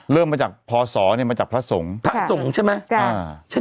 เริ่มมาจากพศเนี่ยมาจากพระสงฆ์พระสงฆ์ใช่ไหม